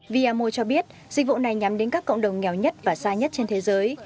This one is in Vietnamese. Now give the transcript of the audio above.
viamo cho biết dịch vụ này nhắm đến các cộng đồng nghèo nhất và xa nhất trên thế giới